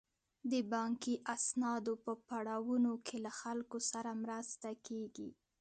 د بانکي اسنادو په پړاوونو کې له خلکو سره مرسته کیږي.